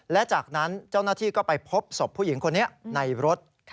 และจากนั้นเจ้าหน้าที่ก็ไปพบศพผู้หญิงคนนี้ในรถ